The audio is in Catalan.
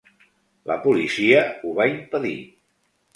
La policia ho va impedir.